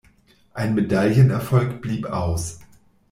Ein Medaillenerfolg blieb aus.